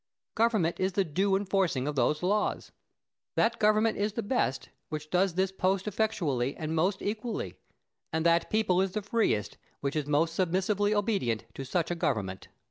Government is the due enforcing of those laws. That government is the best which does this post effectually, and most equally; and that people is the freest which is most submissively obedient to such a government.